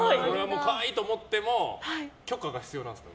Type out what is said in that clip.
可愛いと思っても許可が必要なんですよね。